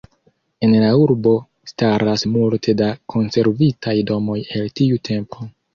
En la urbo staras multe da konservitaj domoj el tiu tempo.